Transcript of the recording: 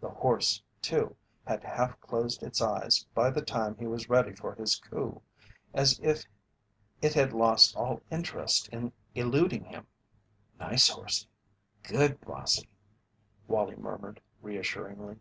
The horse, too, had half closed its eyes by the time he was ready for his coup, as if it had lost all interest in eluding him. "Nice horsey! Good bossy!" Wallie murmured, reassuringly.